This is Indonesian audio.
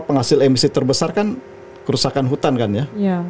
penghasil emisi terbesar kan kerusakan hutan kan ya